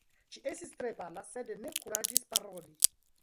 Ŝi estis tre pala, sed ne kuraĝis paroli.